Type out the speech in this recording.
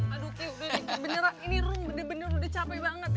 aduh ki udah bener ini rum bener bener udah capek banget ya ki